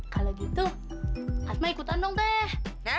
kalau gitu atma ikutan dong teh